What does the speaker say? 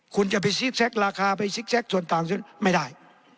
คุณจะไปซีกแซคราคาไปซิกแก๊กชนต่างไม่ได้